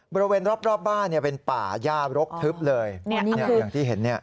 บริเวณรอบบ้านเนี่ยเป็นป่าย่ารกทึบเลยอย่างที่เห็นเนี่ย